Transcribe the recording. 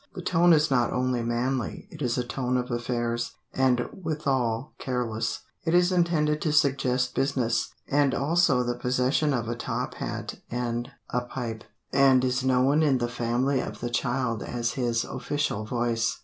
The tone is not only manly; it is a tone of affairs, and withal careless; it is intended to suggest business, and also the possession of a top hat and a pipe, and is known in the family of the child as his "official voice."